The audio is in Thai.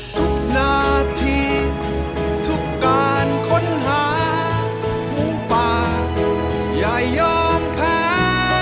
ทุกนาทีทุกการค้นหาหมูป่าอย่ายอมแพ้